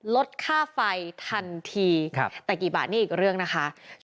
ลดค่าไฟทันทีแต่กี่บาทนี่อีกเรื่องนะคะ